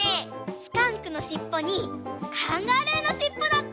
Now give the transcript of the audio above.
スカンクのしっぽにカンガルーのしっぽだって！